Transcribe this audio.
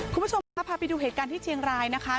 คุณผู้ชมคะพาไปดูเหตุการณ์ที่เชียงรายนะคะ